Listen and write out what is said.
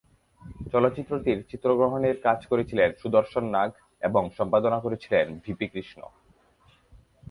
চলচ্চিত্রটির চিত্রগ্রহণের কাজ করেছিলেন সুদর্শন নাগ এবং সম্পাদনা করেছিলেন ভিপি কৃষ্ণ।